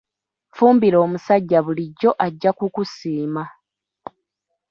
Fumbira omusajja bulijjo ajja kukusiima.